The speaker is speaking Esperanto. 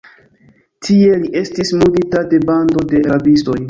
Tie li estis murdita de bando de rabistoj.